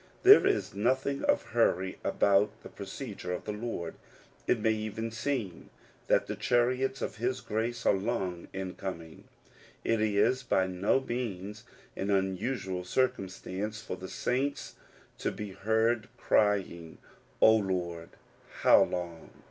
There is nothing of hurry about the procedure of the Lord : it may even seem that the chariots of his grace are long in coming. It is by no means an unusual circumstance for the saints to be heard crying, "O Lord, how long?